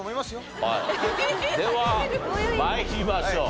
では参りましょう。